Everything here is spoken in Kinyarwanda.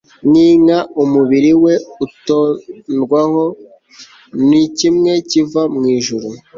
nk inka umubiri we utondwaho n ikime kiva mu ijuru